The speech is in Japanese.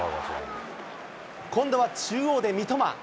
今度は中央で三笘。